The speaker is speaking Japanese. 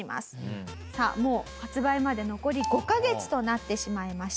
さあもう発売まで残り５カ月となってしまいました。